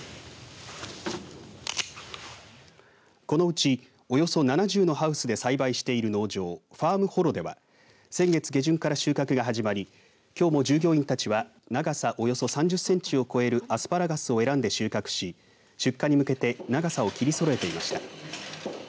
このうちおよそ７０のハウスで栽培している農場、ファームホロでは先月下旬から収穫が始まりきょうも従業員たちは長さおよそ３０センチを超えるアスパラガスを選んで収穫し出荷に向けて長さを切りそろえていました。